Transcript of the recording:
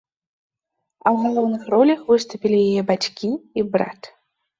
А ў галоўных ролях выступілі яе бацькі і брат.